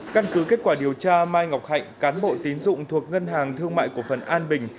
căn cứ kết quả điều tra mai ngọc hạnh cán bộ tín dụng thuộc ngân hàng thương mại cổ phần an bình